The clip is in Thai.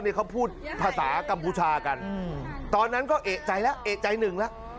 นี่เขาพูดภาษากัมพูชากันตอนนั้นก็เอกใจแล้วเอกใจหนึ่งแล้ว